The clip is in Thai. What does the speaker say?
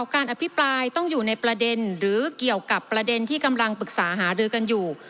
การอภิปรายต้องอยู่ในประเด็นหรือเกี่ยวกับประเด็นที่กำลังปรึกษาหารือกันอยู่